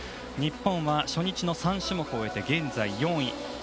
日本は初日の３種目が終わって現在４位。